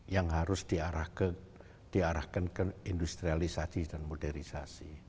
yang harus diarahkan ke industrialisasi dan modernisasi